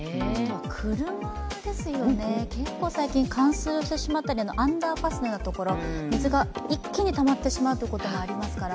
車ですよね、結構最近冠水をしてしまったりアンダーパスのようなところ水が一気にたまってしまうこともありますから。